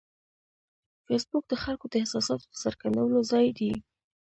فېسبوک د خلکو د احساساتو د څرګندولو ځای دی